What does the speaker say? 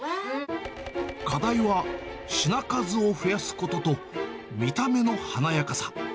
課題は品数を増やすことと、見た目の華やかさ。